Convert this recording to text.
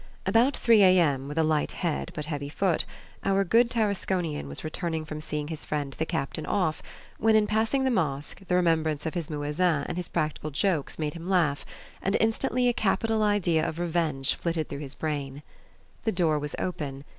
About 3 A.M., with a light head but a heavy foot, our good Tarasconian was returning from seeing his friend the captain off when, in passing the mosque, the remembrance of his muezzin and his practical jokes made him laugh, and instantly a capital idea of revenge flitted through his brain. The door was open.